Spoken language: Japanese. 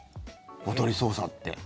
おとり捜査って。